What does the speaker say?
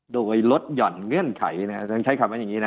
โดยลดหย่อนเงื่อนไขนะต้องใช้คำว่าอย่างนี้นะ